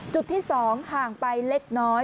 จุดที่สองห่างไปเลขน้อย